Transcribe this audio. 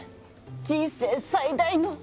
人生最大の。